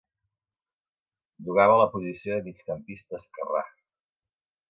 Jugava a la posició de migcampista esquerrà.